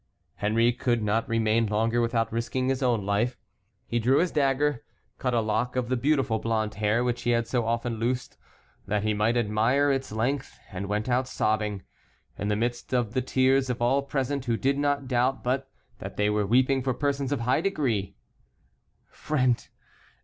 Henry could not remain longer without risking his own life. He drew his dagger, cut a lock of the beautiful blonde hair which he had so often loosened that he might admire its length, and went out sobbing, in the midst of the tears of all present, who did not doubt but that they were weeping for persons of high degree. "Friend!